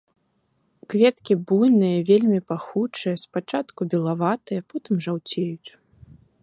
Кветкі буйныя, вельмі пахучыя, спачатку белаватыя, потым жаўцеюць.